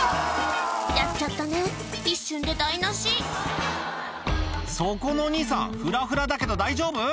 やっちゃったね一瞬で台無しそこのお兄さんふらふらだけど大丈夫？